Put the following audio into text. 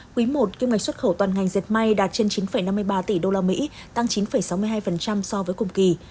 quý i kim ngạch xuất khẩu toàn ngành dệt may đạt trên chín năm mươi ba tỷ usd tăng chín sáu mươi hai so với cùng kỳ